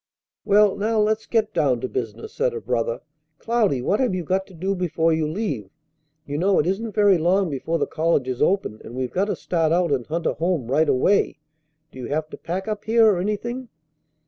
"Well, now let's get down to business," said her brother. "Cloudy, what have you got to do before you leave? You know it isn't very long before the colleges open, and we've got to start out and hunt a home right away. Do you have to pack up here or anything?"